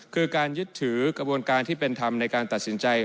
คือการยึดถือกระบวนการที่เป็นธรรมในการตัดสินใจ